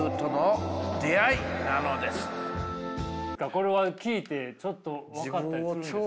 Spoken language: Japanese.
これは聞いてちょっと分かったりするんですか。